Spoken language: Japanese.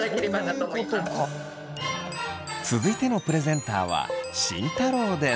続いてのプレゼンターは慎太郎です！